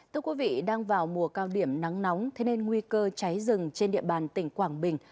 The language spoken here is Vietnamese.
thưa quý vị đang vào mùa cao điểm nắng nóng thế nên nguy cơ cháy rừng trên địa bàn tỉnh quảng bình